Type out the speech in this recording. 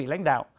các vị lãnh đạo